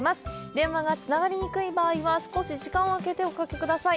電話がつながりにくい場合は少し時間をあけておかけください。